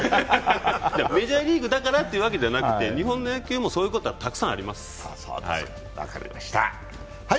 メジャーリーグだからってことではなくて日本の野球もそういうことはたくさんあります。